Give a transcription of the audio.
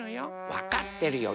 わかってるよ